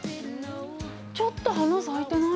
ちょっと花咲いてない？